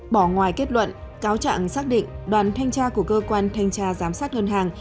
bỏ ngoài kết luận cáo trạng xác định đoàn thanh tra của cơ quan thanh tra giám sát ngân hàng